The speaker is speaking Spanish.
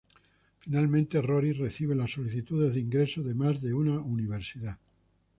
Finalmente, Rory recibe las solicitudes de ingreso de más de una universidad.